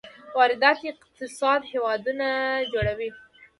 وارداتي اقتصاد هېواد نه جوړوي.